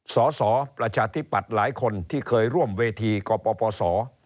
สสประชาธิปัตย์หลายคนที่เคยร่วมเวทีกปศ